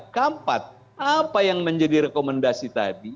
keempat apa yang menjadi rekomendasi tadi